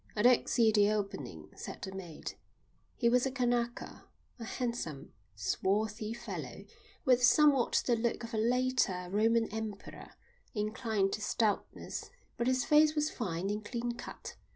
"I don't see the opening," said the mate. He was a Kanaka, a handsome, swarthy fellow, with somewhat the look of a later Roman emperor, inclined to stoutness; but his face was fine and clean cut.